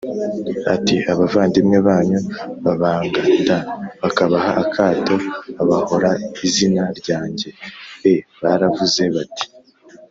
ati abavandimwe banyu babanga d bakabaha akato babahora izina ryanjye e baravuze bati